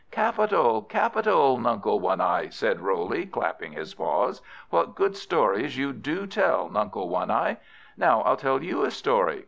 "Capital, capital, Nuncle One eye!" said Roley, clapping his paws; "what good stories you do tell, Nuncle One eye! Now I'll tell you a story.